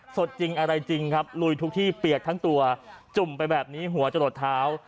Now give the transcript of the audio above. สดจริงอะไรจริงครับลุยทุกที่เปียกทั้งตัวจุ่มไปแบบนี้หัวจะหลดเท้า